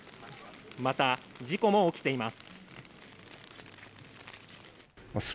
また、事故も起きています。